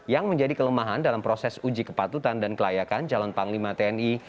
yang menjadi kelemahan dalam proses uji kepatutan dan kelayakan calon panglima tni